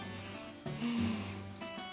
うん。